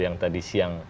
yang tadi siang